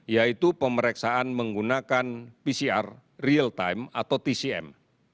yaitu pemeriksaan menggunakan pcr real time atau tcm